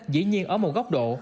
dĩ nhiên ở một góc độ